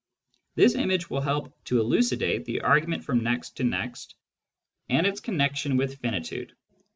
This image will help to elucidate the argument from next to next, and its connection with finitude.